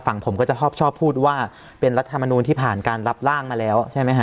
ผมก็จะชอบพูดว่าเป็นรัฐมนูลที่ผ่านการรับร่างมาแล้วใช่ไหมฮะ